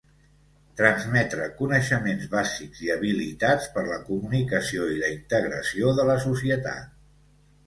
Transmetre coneixements bàsics i habilitats per la comunicació i la integració de la societat.